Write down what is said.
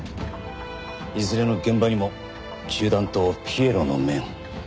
いずれの現場にも銃弾とピエロの面。